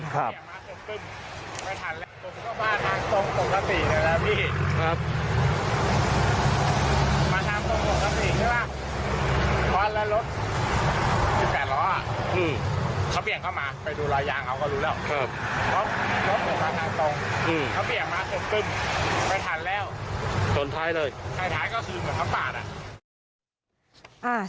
คล้ายท้ายก็คือแบบปาต